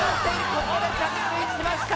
ここで着水しました。